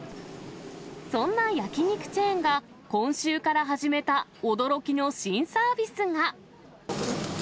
そんな焼き肉チェーンが、今週から始めた驚きの新サービスが。